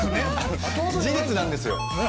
事実なんですよ。